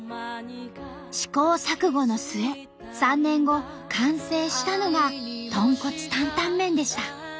試行錯誤の末３年後完成したのが豚骨タンタン麺でした。